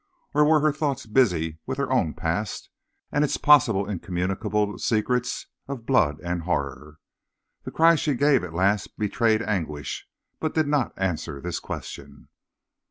Or were her thoughts busy with her own past, and its possible incommunicable secrets of blood and horror? The cry she gave at last betrayed anguish, but did not answer this question.